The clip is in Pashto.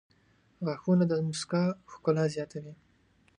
• غاښونه د مسکا ښکلا زیاتوي.